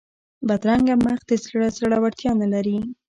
بدرنګه مخ د زړه زړورتیا نه لري